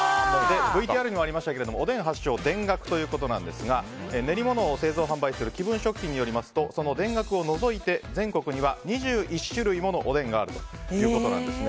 ＶＴＲにもありましたがおでん発祥は田楽ということですが練りものを製造・販売する紀文食品によりますと田楽を除いて全国には２１種類ものおでんがあるということなんです。